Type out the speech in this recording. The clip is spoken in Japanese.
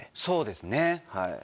そうですね。